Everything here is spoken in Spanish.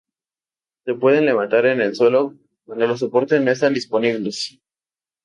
Se pueden levantar en el suelo cuando los soportes no están disponibles.